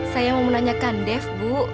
saya mau menanyakan dev bu